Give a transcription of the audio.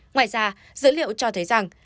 ngoài ra dữ liệu cho thấy rằng